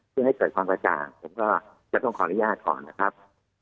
เพื่อให้เกิดความกระจ่างผมก็จะต้องขออนุญาตก่อนนะครับ